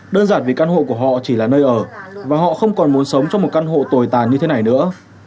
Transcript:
đơn giản vì căn hộ của họ chỉ là nơi ở và họ không còn muốn sống trong một căn hộ tồi tàn như thế này nữa